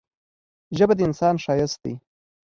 ژبه د انسان ښايست دی.